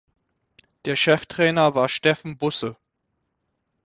Der Chef-Trainer war Steffen Busse.